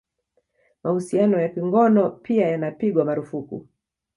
Mahusiano ya kingono pia yanapigwa marufuku